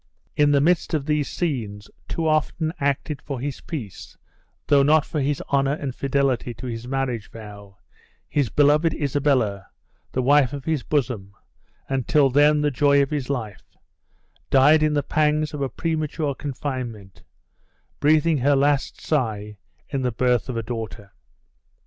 In the midst of these scenes, too often acted for his peace (though not for his honor and fidelity to his marriage vow), his beloved Isabella, the wife of his bosom, and till then the joy of his life, died in the pangs of a premature confinement, breathing her last sigh in the birth of a daughter.